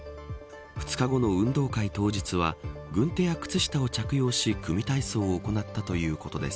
２日後の運動会当日は軍手や靴下を着用し、組み体操を行ったということです。